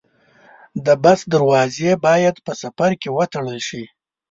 د بس دروازې باید په سفر کې وتړل شي.